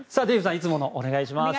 いつものお願いします。